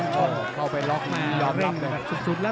ทันหรือเปล่าได้แรงหัวน้ำมาสอกด้วยครับมัดอย่างเดียวเอาไม่อยู่แน่